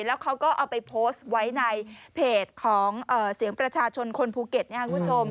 แล้วเขาก็เอาไปโพสต์ไว้ในเพจของเสียงประชาชนคนภูเก็ต